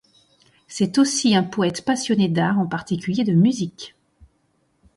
C'est aussi un poète passionné d'art, en particulier de musique.